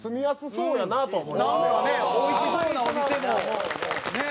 おいしそうなお店もねえ